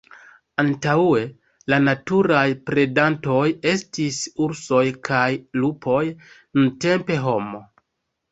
Antaŭe la naturaj predantoj estis ursoj kaj lupoj; nuntempe homo.